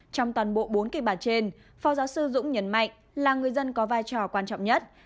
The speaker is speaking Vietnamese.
trong toàn bộ bốn kịch bản trên phó giáo sư dũng nhấn mạnh là người dân có vai trò quan trọng nhất